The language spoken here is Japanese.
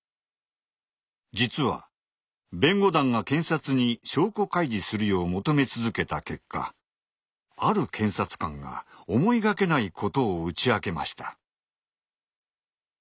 実は弁護団が検察に証拠開示するよう求め続けた結果ある検察官が思いがけないことを打ち明けました。